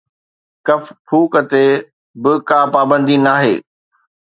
ڪف ڦوڪ تي به ڪا پابندي ناهي